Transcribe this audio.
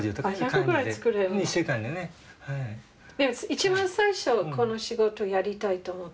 一番最初この仕事やりたいと思ったのは？